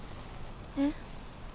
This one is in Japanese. えっ？